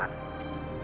bapak mau ke rumah